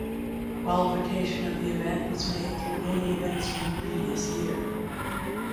Qualification of the event was made through winning events from the previous year.